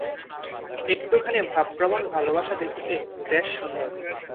একটুখানি ভাবপ্রবণ ভালবাসা দেখিতে বেশ সুন্দর।